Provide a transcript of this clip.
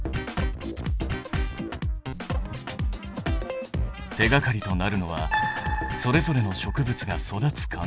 手がかりとなるのはそれぞれの植物が育つ環境。